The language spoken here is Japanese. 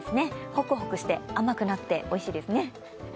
ほくほくして、甘くなって、おいしいですね。